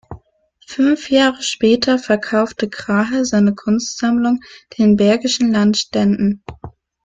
Fünf Jahre später verkaufte Krahe seine Kunstsammlung den bergischen Landständen.